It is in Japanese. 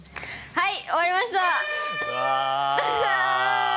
はい。